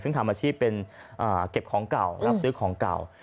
ซึ่งทำอาชีพเป็นเก็บของเก่ารับซื้อของเก่า